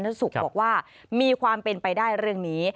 สุขบอกว่ามีความเป็นไปได้เรื่องนี้